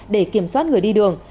để kiểm soát người đi đường